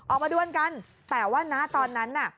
ออกมาด้วยกันแต่ว่าตอนนั้น